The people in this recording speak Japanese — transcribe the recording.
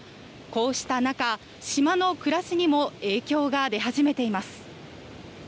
こうした中、島の暮らしにも影響が出始めています。